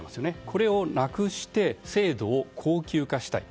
これをなくして制度を恒久化したい。